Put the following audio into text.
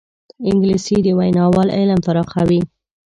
انګلیسي د ویناوال علم پراخوي